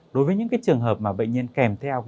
đối với những trường hợp mà bệnh nhân kèm theo